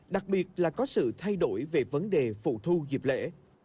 đặc biệt là có sự thay đổi về vấn đề phụ thu dịp lễ